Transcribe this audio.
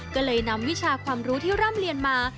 ก็เลยนำวิชาความรู้ที่ร่ำเรียนมา